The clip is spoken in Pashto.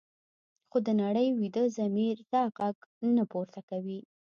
خو د نړۍ ویده ضمیر دا غږ نه پورته کوي.